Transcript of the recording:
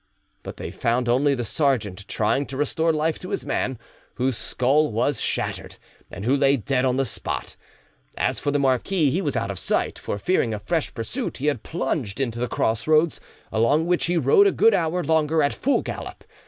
But they found only the sergeant, trying to restore life to his man, whose skull was shattered, and who lay dead on the spot. As for the marquis, he was out of sight; for, fearing a fresh pursuit, he had plunged into the cross roads, along which he rode a good hour longer at full gallop.